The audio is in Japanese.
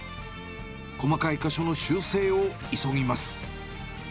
細かい箇所の修正を急ぎます。